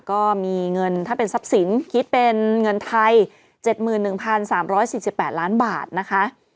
ก็มีเงินถ้าเป็นทรัพย์สินคิดเป็นเงินไทย๗๑๓๔๘ล้านบาทนะคะ